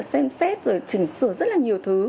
xem xét rồi chỉnh sửa rất là nhiều thứ